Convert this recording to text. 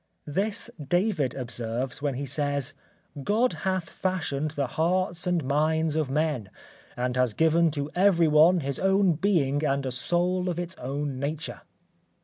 This David observes when he says: "God hath fashioned the hearts and minds of men, and has given to every one his own being and a soul of its own nature."